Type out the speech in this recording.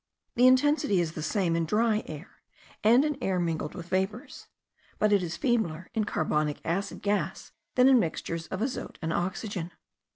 The intensity is the same in dry air, and in air mingled with vapours; but it is feebler in carbonic acid gas than in mixtures of azote and oxygen.